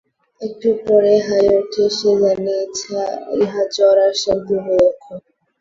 একটু পরে হাই ওঠে, সে জানে ইহা জ্বর আসার পুর্বলক্ষণ।